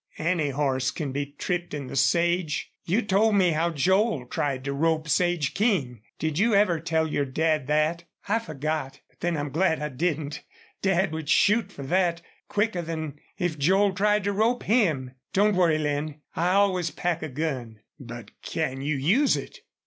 "Any horse can be tripped in the sage. You told me how Joel tried to rope Sage King. Did you ever tell your dad that?" "I forgot. But then I'm glad I didn't. Dad would shoot for that, quicker than if Joel tried to rope him.... Don't worry, Lin, I always pack a gun." "But can you use it?"